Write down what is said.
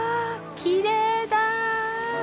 きれいだ！